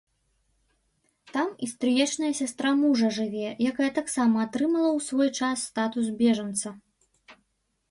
Там і стрыечная сястра мужа жыве, якая таксама атрымала ў свой час статус бежанца.